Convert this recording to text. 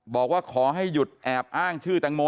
บอกว่าขอให้หยุดแอบอ้างชื่อแตงโม